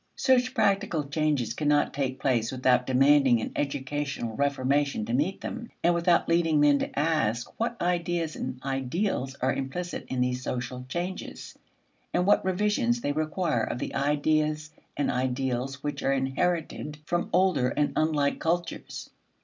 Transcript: Such practical changes cannot take place without demanding an educational reformation to meet them, and without leading men to ask what ideas and ideals are implicit in these social changes, and what revisions they require of the ideas and ideals which are inherited from older and unlike cultures.